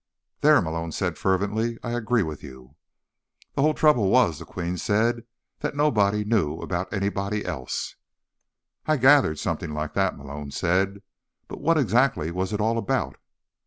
"There," Malone said fervently, "I agree with you." "The whole trouble was," the Queen said, "that nobody knew about anybody else." "I'd gathered something like that," Malone said. "But what exactly was it all about?"